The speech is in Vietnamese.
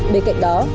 bên cạnh đó